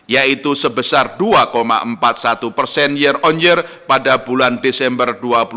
yaitu sebesar dua empat puluh satu persen year on year pada bulan desember dua ribu dua puluh